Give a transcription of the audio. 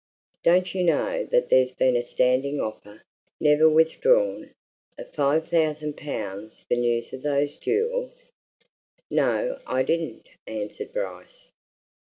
Don't you know that there's been a standing offer never withdrawn! of five thousand pounds for news of those jewels?" "No, I didn't," answered Bryce.